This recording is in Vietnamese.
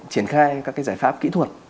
triển khai các cái giải pháp kỹ thuật